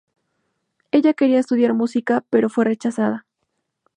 Ella quería estudiar música, pero fue rechazada.